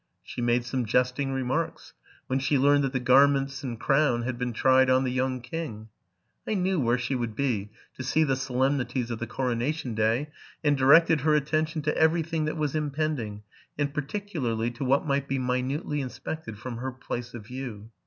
She made some jesting remarks when she learned that the gar ments and crown had been tried on the young king. I knew where she would be, to see the solemnities of the coronation day, and directed her attention to every thing that was impending, and particularly to what might be minutely in spected from her place of view.